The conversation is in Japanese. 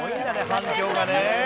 反響がね。